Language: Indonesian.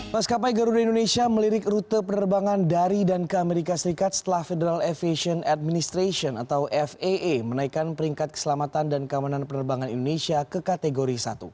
maskapai garuda indonesia melirik rute penerbangan dari dan ke amerika serikat setelah federal aviation administration atau faa menaikkan peringkat keselamatan dan keamanan penerbangan indonesia ke kategori satu